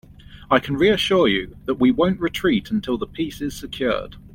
I can reassure you, that we won't retreat until the peace is secured.